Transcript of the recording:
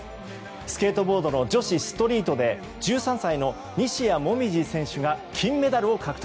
スケートボードの女子ストリートで１３歳の西矢椛選手が金メダルを獲得。